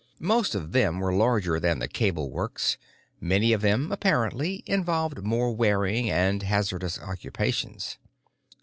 Most of them were larger than the cable works; many of them, apparently, involved more wearing and hazardous occupations.